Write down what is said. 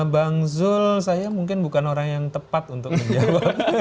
bang zul saya mungkin bukan orang yang tepat untuk menjawab